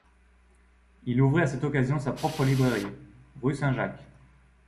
Il ouvrit à cette occasion sa propre librairie, rue Saint-Jacques.